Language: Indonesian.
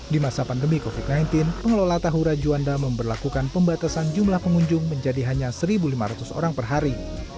di masa pandemi covid sembilan belas pengelola tahura juanda memperlakukan pembatasan jumlah pengunjung menjadi hanya satu lima ratus orang per hari